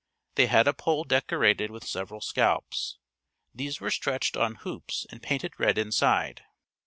They had a pole decorated with several scalps. These were stretched on hoops and painted red inside.